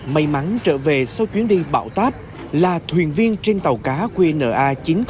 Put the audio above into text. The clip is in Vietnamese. may mắn trở về sau chuyến đi bão táp là thuyền viên trên tàu cá qna chín mươi nghìn một trăm hai mươi chín